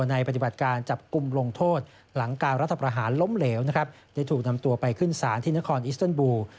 ปฏิบัติการจับกลุ่มลงโทษหลังการรัฐประหารล้มเหลวนะครับได้ถูกนำตัวไปขึ้นศาลที่นครอิสเติลบูล